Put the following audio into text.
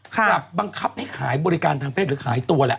กลับบังคับให้ขายบริการทางเพศหรือขายตัวแหละ